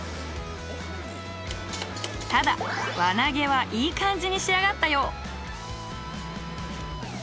ただ輪投げはいい感じに仕上がったよう。